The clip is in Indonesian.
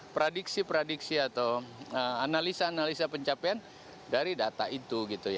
tradisi tradisi atau analisa analisa pencapaian dari data itu